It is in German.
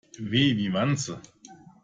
W wie Wanze.